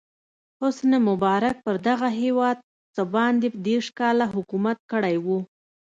حسن مبارک پر دغه هېواد څه باندې دېرش کاله حکومت کړی و.